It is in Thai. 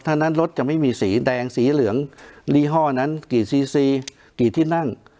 ถ้านั้นรถจะไม่มีสีแดงสีเหลืองยี่ห้อนั้นกี่ซีซีกี่ที่นั่ง